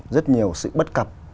rất nhiều sự bất cập